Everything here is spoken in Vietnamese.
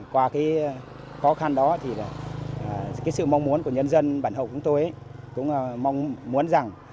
qua cái khó khăn đó thì là cái sự mong muốn của nhân dân bản hậu cũng tôi cũng mong muốn rằng